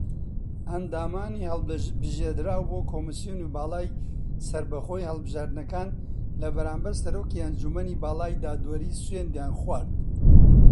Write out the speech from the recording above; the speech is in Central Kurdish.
ئەندامانی ھەڵبژێردراو بۆ کۆمیسیۆنی باڵای سەربەخۆی ھەڵبژاردنەکان لەبەرامبەر سەرۆکی ئەنجومەنی باڵای دادوەری سوێندیان خوارد.